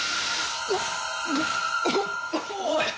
おい！